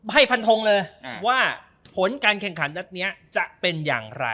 ให้ฟันทงเลยว่าผลการแข่งขันนัดนี้จะเป็นอย่างไร